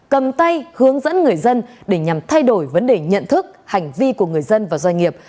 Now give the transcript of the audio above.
cầm tay hướng dẫn người dân để nhằm thay đổi vấn đề nhận thức hành vi của người dân và doanh nghiệp